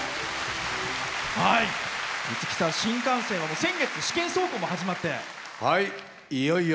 五木さん、新幹線先月、試験走行も始まって。